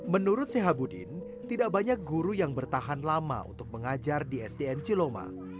menurut sehabudin tidak banyak guru yang bertahan lama untuk mengajar di sdn ciloma